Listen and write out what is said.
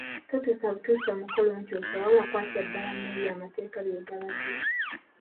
Totuusa butuusa mukolo nti osaba wabula kwatira ddala n’ebyo amateeka bye galagira.